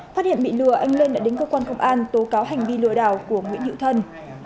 phát hiện bị lừa anh lên đã đến cơ quan công an tố cáo hành vi lừa đảo của nguyễn hữu thân